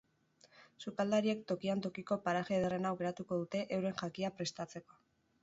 Sukaldariek tokian tokiko paraje ederrena aukeratuko dute euren jakia prestatzeko.